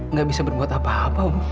nggak bisa berbuat apa apa